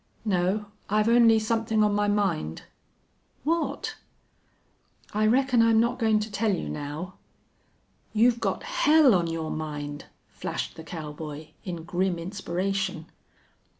"No. I've only somethin' on my mind." "What?" "I reckon I'm not goin' to tell you now." "You've got hell on your mind!" flashed the cowboy, in grim inspiration.